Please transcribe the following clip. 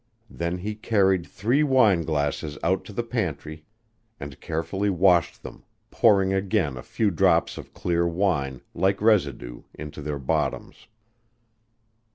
Then he carried three wine glasses out to the pantry, and carefully washed them, pouring again a few drops of clear wine, like residue, into their bottoms.